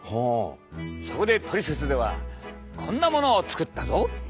そこでトリセツではこんなものを作ったぞ。